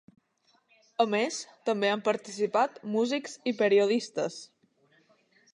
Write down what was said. A més, també han participat músics i periodistes.